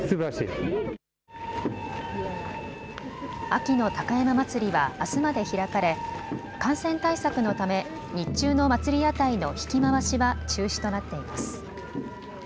秋の高山祭はあすまで開かれ感染対策のため日中の祭屋台の曳き廻しは中止となっています。